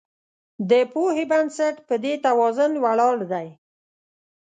د پوهې بنسټ په دې توازن ولاړ دی.